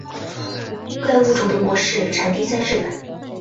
该物种的模式产地在日本。